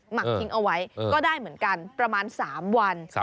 หักทิ้งเอาไว้ก็ได้เหมือนกันประมาณ๓วัน